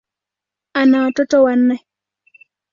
Ana watoto wanne.